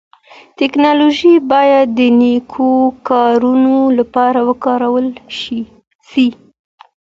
ټکنالوژي بايد د نيکو کارونو لپاره وکارول سي.